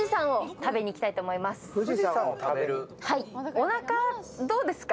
おなか、どうですか？